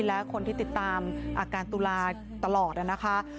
และคนที่ติดตามอาการตุลาตลอดนะคะ